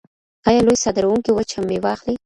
ایا لوی صادروونکي وچه میوه اخلي؟